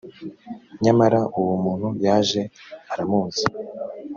nyamara uwo muntu yaje aramuzi.